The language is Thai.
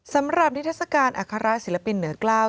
สำหรับนิทัศกาลอัคระศิลปินเหนือกล้าว